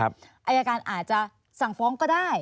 อายการอาจจะสั่งฟ้องก็ได้